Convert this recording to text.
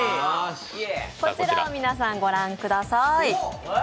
こちらを皆さん、御覧ください。